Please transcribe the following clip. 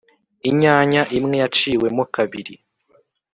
inyanya imwe yaciwe mo kabiri